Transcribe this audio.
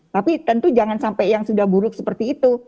tapi tentu jangan sampai yang sudah buruk seperti itu